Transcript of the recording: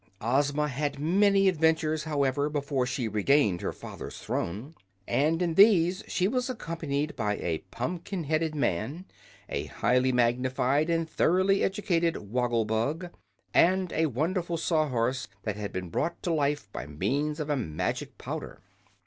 Ozma had many adventures, however, before she regained her father's throne, and in these she was accompanied by a pumpkin headed man, a highly magnified and thoroughly educated Woggle Bug, and a wonderful sawhorse that had been brought to life by means of a magic powder.